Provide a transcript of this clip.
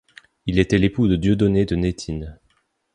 Il était l'époux de Dieudonnée de Nettine.